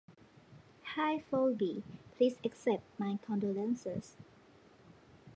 Hi Phoebe. Please accept my condolences